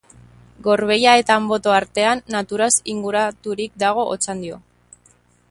Gorbeia eta Anboto artean, naturaz inguraturik dago Otxandio.